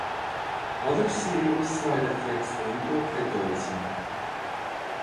Other serious side effects include ergotism.